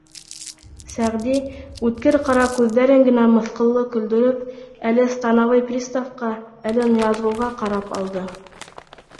— Сәғди, үткер ҡара күҙҙәрен генә мыҫҡыллы көлдөрөп, әле становой приставҡа, әле Ныязғолға ҡарап алды.